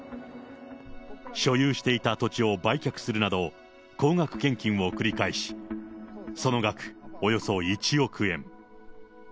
所有していた土地を売却するなど、高額献金を繰り返し、その額およそ１億円。